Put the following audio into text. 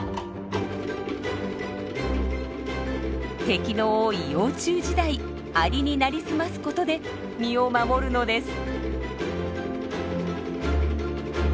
敵の多い幼虫時代アリに成り済ますことで身を守るのです。